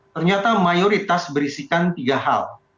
ternyata mayoritas berisikan tiga hal